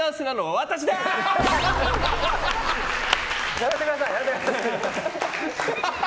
やめてください。